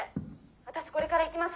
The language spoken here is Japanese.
私これから行きます。